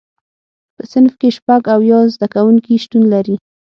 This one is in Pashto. په صنف کې شپږ اویا زده کوونکي شتون لري.